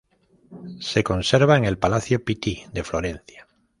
Se conserva en el Palacio Pitti de Florencia.